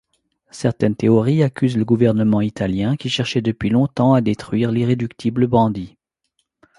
Certaines théories accusent le gouvernement italien qui cherchait depuis longtemps à détruire l’irréductible bandit.